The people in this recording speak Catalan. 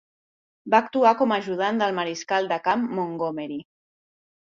Va actuar com a ajudant del Mariscal de Camp Montgomery.